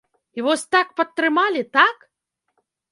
І вось так падтрымалі, так?